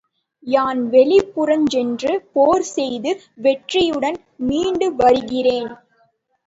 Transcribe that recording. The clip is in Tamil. யான் வெளிப் புறஞ் சென்று போர்செய்து வெற்றியுடன் மீண்டு வருகிறேன்.